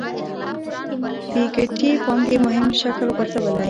پيکيټي پانګې مهم شکل غورځولی.